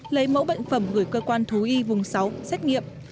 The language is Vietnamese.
lấy mẫu bệnh phẩm gửi cơ quan thú y vùng sáu xét nghiệm